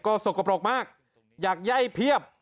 ก็สกปรกมากอยากไย่เพียบ